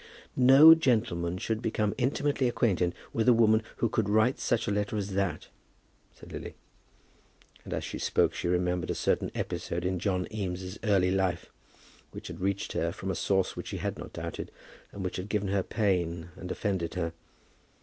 "No gentleman should become intimately acquainted with a woman who could write such a letter as that," said Lily. And as she spoke she remembered a certain episode to John Eames's early life, which had reached her from a source which she had not doubted, and which had given her pain and offended her.